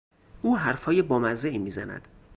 او حرفهای بامزهای میزند.